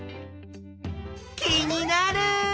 気になる！